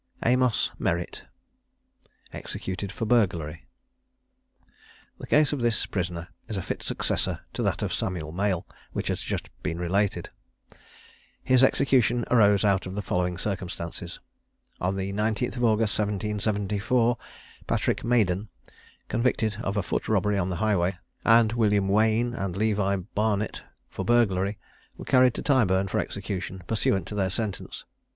AMOS MERRITT. EXECUTED FOR BURGLARY. The case of this prisoner is a fit successor to that of Samuel Male, which has been just related. His execution arose out of the following circumstances. On the 19th August, 1774, Patrick Maden, convicted of a foot robbery on the highway, and William Waine and Levi Barnet for burglary, were carried to Tyburn for execution, pursuant to their sentence.